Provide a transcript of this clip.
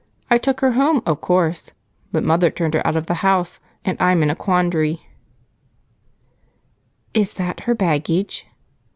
I took her home, of course, but mother turned her out of the house, and I'm in a quandary." "Is that her baggage?"